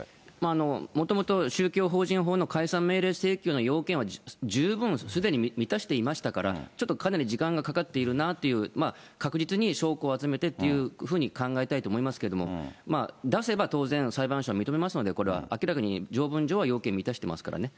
もともと、宗教法人法の解散命令請求の要件は十分すでに満たしていましたから、ちょっとかなり時間がかかっているなあという、確実に証拠を集めてっていうふうに考えたいと思いますけども、出せば当然、裁判所は認めますので、これは明らかに条文上は要件満たしてますからね。